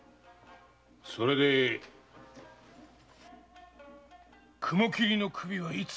それで雲切の首はいつ？